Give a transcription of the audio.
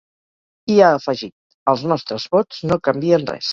I ha afegit: ‘Els nostres vots no canvien res’.